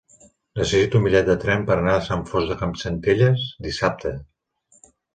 Necessito un bitllet de tren per anar a Sant Fost de Campsentelles dissabte.